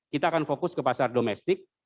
kita akan fokus ke pasar domestik